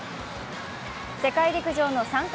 世界陸上の参加